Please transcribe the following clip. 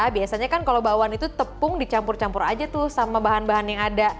biasanya kan kalau bakwan itu tepung dicampur campur aja tuh sama bahan bahan yang ada